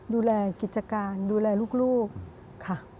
ดูแลกิจการดูแลลูกค่ะ